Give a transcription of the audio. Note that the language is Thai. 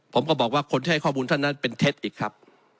ผมก็บอกว่าคนที่ให้ข้อมูลท่านนั้นเป็นเท็จอีกครับ